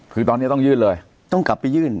คือตอนนี้ต้องยื่นเลยต้องกลับไปยื่น